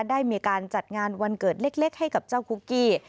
ได้มีการจัดงานวันเกิดเล็กให้กับเจ้าคุกกี้